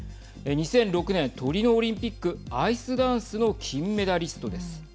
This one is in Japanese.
２００６年、トリノオリンピックアイスダンスの金メダリストです。